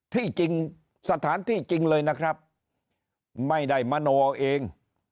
ที่จริงสถานที่จริงเลยนะครับไม่ได้มโนเอาเอง